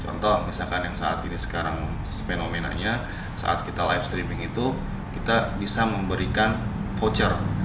contoh misalkan yang saat ini sekarang fenomenanya saat kita live streaming itu kita bisa memberikan voucher